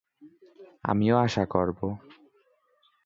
আমিও আশা করব।